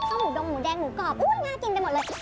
หมูดงหมูแดงหมูกรอบน่ากินไปหมดเลย